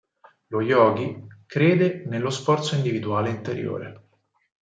Lo Yogi crede nello sforzo individuale interiore.